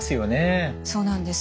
そうなんです。